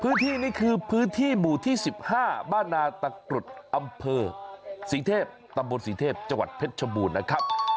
นี่คือพื้นที่หมู่ที่๑๕บ้านนาตะกรุดอำเภอศรีเทพตำบลศรีเทพจังหวัดเพชรชบูรณ์นะครับ